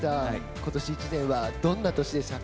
今年１年はどんな年でしたか？